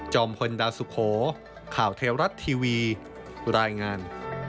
พลดาวสุโขข่าวเทวรัฐทีวีรายงาน